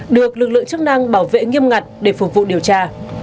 được lực lượng chức năng bảo vệ nghiêm ngặt để phục vụ điều tra